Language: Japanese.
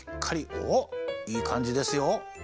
おっいいかんじですよ。